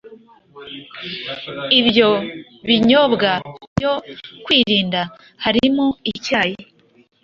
ibyo binyobwa byo kwirinda harimo icyayi